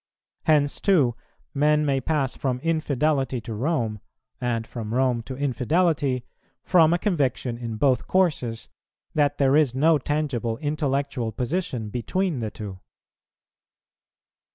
Hence, too, men may pass from infidelity to Rome, and from Rome to infidelity, from a conviction in both courses that there is no tangible intellectual position between the two.